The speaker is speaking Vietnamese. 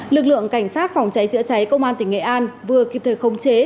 lực lượng cảnh sát phòng cháy chữa cháy công an tỉnh nghệ an vừa kịp thời khống chế